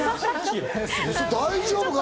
大丈夫か？